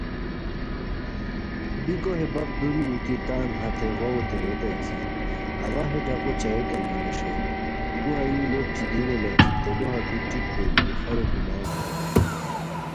بیکو ہے بپ دوری اوتی تان ہتے واؤوتے ریتائے کی اوا ہے ڈاقو چایوتین یی ویݰئیم، تو ہیو لوٹ چیدینو لاکھی تیلو ہتو ٹیپ کوری اوخارو کوماڑتو دیت